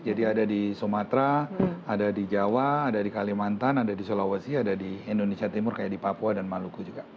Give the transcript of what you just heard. jadi ada di sumatera ada di jawa ada di kalimantan ada di sulawesi ada di indonesia timur kayak di papua dan maluku juga